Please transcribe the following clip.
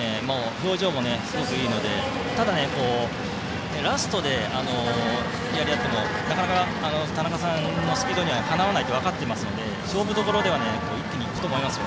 表情もいいのでただ、ラストで田中さんのスピードにかなわないと分かっていますので勝負どころではいくと思いますよ。